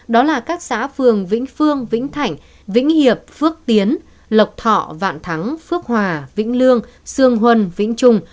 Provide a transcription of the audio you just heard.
đó là các xã phường vĩnh phương vĩnh thảnh vĩnh hiệp phước tiến lộc thọ vạn thắng phước hòa vĩnh lương sương huân vĩnh trung